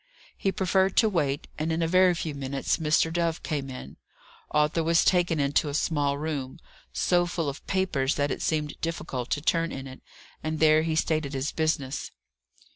He preferred to wait: and in a very few minutes Mr. Dove came in. Arthur was taken into a small room, so full of papers that it seemed difficult to turn in it, and there he stated his business.